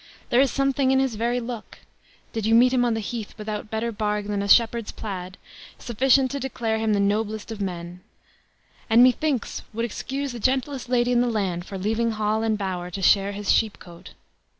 There is something in his very look, did you meet him on the heath without better barg than a shepherd's plaid, sufficient to declare him the noblest of men; and, methinks, would excuse the gentlest lady in the land for leaving hall and bower to share his sheep cote.